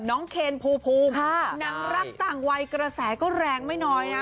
เคนภูมิหนังรักต่างวัยกระแสก็แรงไม่น้อยนะ